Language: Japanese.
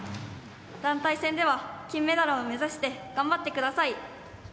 団体戦では金メダルを目指して頑張ってください。